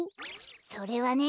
それはね